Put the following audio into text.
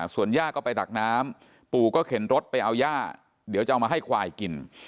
ส่วนย่าก็ไปตักน้ำปู่ก็เข็นรถไปเอาย่าเดี๋ยวจะเอามาให้ควายกิน